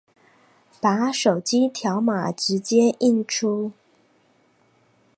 把手機條碼直接印出